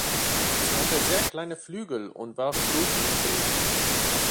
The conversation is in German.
Sie hatte sehr kleine Flügel und war flugunfähig.